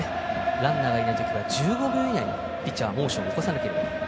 ランナーがいない時は１５秒以内にピッチャーはモーションを起こさないといけない。